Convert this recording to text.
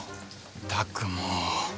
ったくもう。